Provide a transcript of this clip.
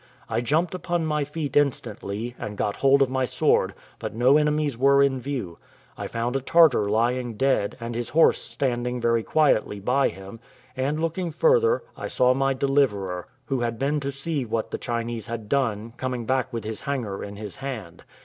I jumped upon my feet instantly, and got hold of my sword, but no enemies were in view: I found a Tartar lying dead, and his horse standing very quietly by him; and, looking further, I saw my deliverer, who had been to see what the Chinese had done, coming back with his hanger in his hand.